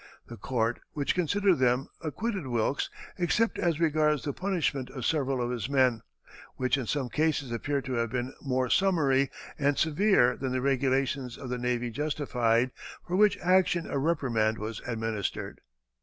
The court which considered them acquitted Wilkes except as regards the punishment of several of his men, which in some cases appeared to have been more summary and severe than the regulations of the navy justified, for which action a reprimand was administered.